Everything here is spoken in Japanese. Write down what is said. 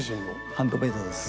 ハンドメイドです。